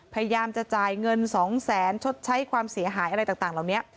พยายามจะจ่ายเงิน๒แสนชดใช้ความเสียหายอะไรต่างเหล่านี้